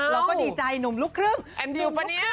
เราก็ดีใจหนุ่มลูกครึ่งแอมดิวป่ะเนี่ย